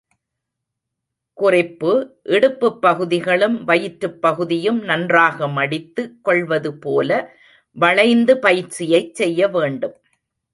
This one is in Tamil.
குறிப்பு இடுப்புப் பகுதிகளும், வயிற்றுப் பகுதியும் நன்றாக மடித்து கொள்வது போல வளைந்து பயிற்சியை செய்ய வேண்டும்.